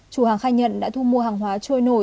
chủ hàng khai nhận đã thu mua hàng hóa trôi nổi